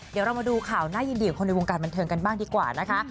เดี๋ยวเรามาดูข่าวน่ายินดีของคนในวงการบันเทิงกันบ้างดีกว่านะคะ